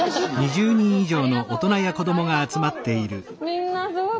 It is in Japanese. みんなすごい。